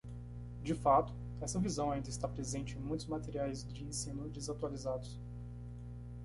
De fato, essa visão ainda está presente em muitos materiais de ensino desatualizados.